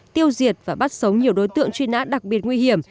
tiêu diệt và bắt sống nhiều đối tượng truy nã đặc biệt nguy hiểm